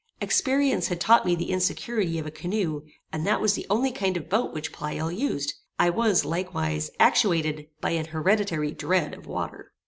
Experience had taught me the insecurity of a canoe, and that was the only kind of boat which Pleyel used: I was, likewise, actuated by an hereditary dread of water.